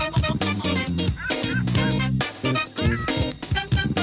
มันเป็นการระบาย